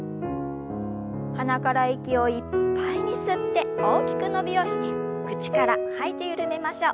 鼻から息をいっぱいに吸って大きく伸びをして口から吐いて緩めましょう。